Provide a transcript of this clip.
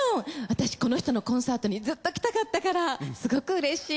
私この人のコンサートにずっと来たかったからすごくうれしい！